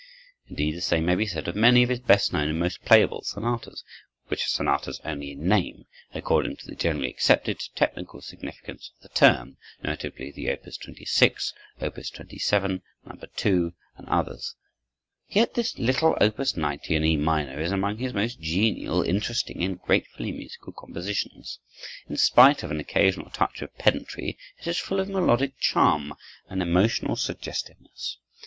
Indeed, the same may be said of many of his best known and most played sonatas, which are sonatas only in name, according to the generally accepted technical significance of the term, notably the Op. 26, Op. 27, No. 2, and others. Yet this little Op. 90, in E minor, is among his most genial, interesting, and gratefully musical compositions. In spite of an occasional touch of pedantry, it is full of melodic charm and emotional suggestiveness.